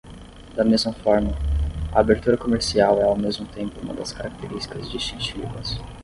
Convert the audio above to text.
Da mesma forma, a abertura comercial é ao mesmo tempo uma das características distintivas.